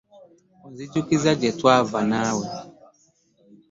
Onzijukizza gye twava naawe.